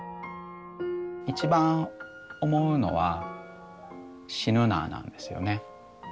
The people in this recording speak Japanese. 一番思うのは死ぬななんですよね。